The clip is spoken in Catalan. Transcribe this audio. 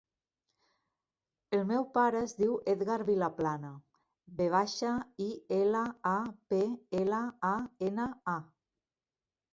El meu pare es diu Edgar Vilaplana: ve baixa, i, ela, a, pe, ela, a, ena, a.